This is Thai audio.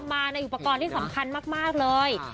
มาในอุปกรณ์ที่สำคัญมากเลย